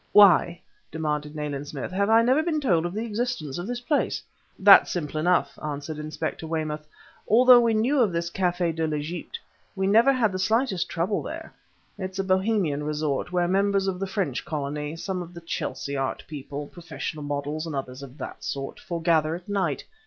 "Why," demanded Nayland Smith, "have I never been told of the existence of this place?" "That's simple enough," answered Inspector Weymouth. "Although we knew of this Café de l'Egypte, we have never had the slightest trouble there. It's a Bohemian resort, where members of the French Colony, some of the Chelsea art people, professional models, and others of that sort, foregather at night.